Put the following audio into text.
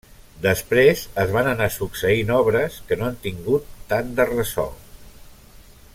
Després es van anar succeint obres que no han tingut tant de ressò.